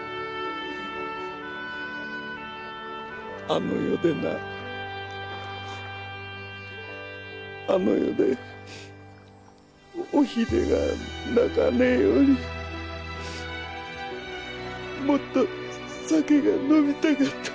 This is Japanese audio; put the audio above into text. あの世でなあの世でおひでが泣かねえようにもっと酒が飲みたかった。